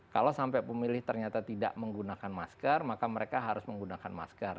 kalau sampai pemilih ternyata tidak menggunakan masker maka mereka harus menggunakan masker